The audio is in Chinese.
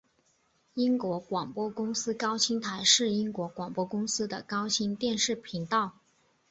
英国广播公司高清台是英国广播公司的高清电视频道。